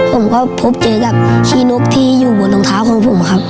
ผมก็พบเจอกับขี้นกที่อยู่บนรองเท้าของผมครับ